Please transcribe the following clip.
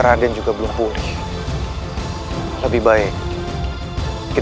beraninya kau menyentuhku